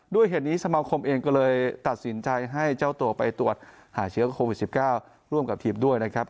เหตุนี้สมาคมเองก็เลยตัดสินใจให้เจ้าตัวไปตรวจหาเชื้อโควิด๑๙ร่วมกับทีมด้วยนะครับ